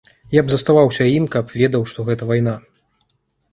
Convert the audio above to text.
Я б заставаўся ім, каб ведаў, што гэта вайна.